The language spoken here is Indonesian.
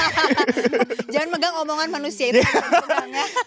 jangan megang omongan manusia itu